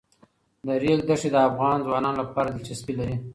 د ریګ دښتې د افغان ځوانانو لپاره دلچسپي لري.